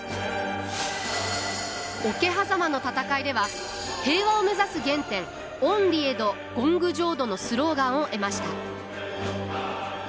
桶狭間の戦いでは平和を目指す原点厭離穢土欣求浄土のスローガンを得ました。